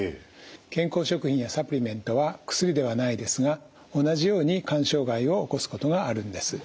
健康食品やサプリメントは薬ではないですが同じように肝障害を起こすことがあるんです。